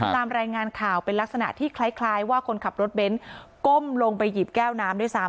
ตามรายงานข่าวเป็นลักษณะที่คล้ายว่าคนขับรถเบ้นก้มลงไปหยิบแก้วน้ำด้วยซ้ำ